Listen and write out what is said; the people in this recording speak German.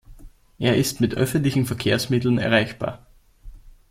Er ist mit öffentlichen Verkehrsmitteln erreichbar.